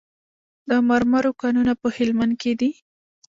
د مرمرو کانونه په هلمند کې دي